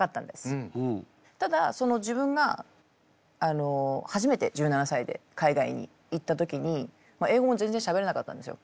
ただ自分が初めて１７歳で海外に行った時に英語も全然しゃべれなかったんですよ。